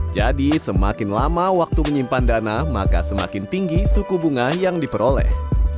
jadi semakin lama waktu menyimpan dana maka semakin tinggi suku bunga yang diperoleh